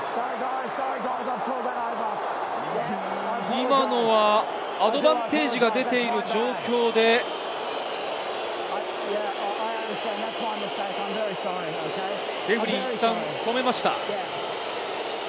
今のはアドバンテージが出ている状況で、レフェリーがいったん止めました。